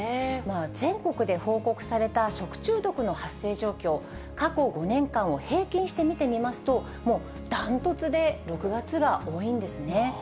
全国で報告された食中毒の発生状況、過去５年間を平均して見てみますと、もうダントツで６月が多いんですね。